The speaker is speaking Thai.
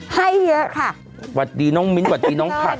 ให้เยอะค่ะสวัสดีน้องมิ้นสวัสดีน้องผัก